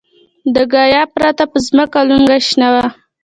د ګیاه پرته په ځمکه لونګۍ شنه وه.